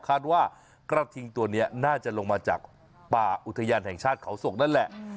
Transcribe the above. คาดว่ากระทิงตัวนี้น่าจะลงมาจากป่าอุทยานแห่งชาติเขาศกนั่นแหละ